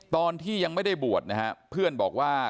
ตอนที่ยังไม่ได้บวชนะฮะเพื่อนบอกว่า